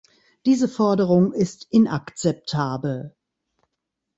Diese Forderung ist inakzeptabel.